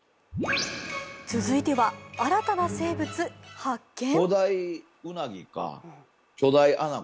続いては新たな生物発見？